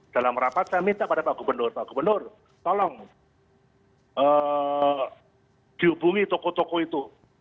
dalam rapat saya minta pada pak gubernur pak gubernur tolong dihubungi toko toko itu